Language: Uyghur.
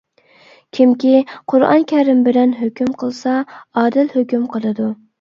كىمكى قۇرئان كەرىم بىلەن ھۆكۈم قىلسا ئادىل ھۆكۈم قىلىدۇ.